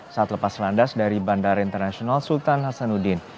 saat lepas landas dari bandara internasional sultan hasanuddin